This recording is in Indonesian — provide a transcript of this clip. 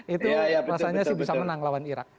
itu rasanya sih bisa menang lawan irak